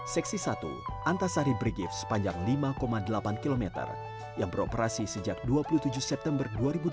seksi satu antasari brigif sepanjang lima delapan km yang beroperasi sejak dua puluh tujuh september dua ribu delapan belas